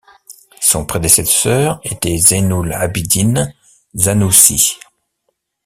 Son prédécesseur était Zainoul Abidine Sannoussi.